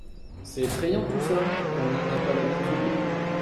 C’est effrayant tout ça, quand on n’en a pas l’habitude.